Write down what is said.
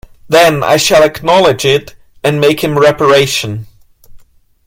Then I shall acknowledge it and make him reparation.